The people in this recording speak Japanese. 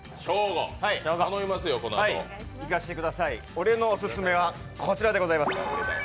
俺のオススメは、こちらでございます。